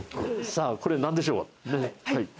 さあこれなんでしょうか？